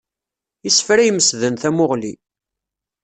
Isefra imesden tamuɣli.